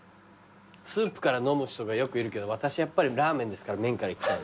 スープから飲む人がよくいるけど私やっぱりラーメンですから麺からいきたい。